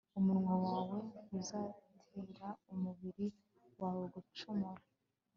umunwa wawe ntuzatere umubiri wawe gucumura